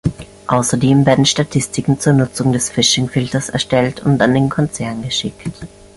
Außerdem werden Statistiken zur Nutzung des Phishing-Filters erstellt und an den Konzern geschickt.